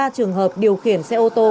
ba trường hợp điều khiển xe ô tô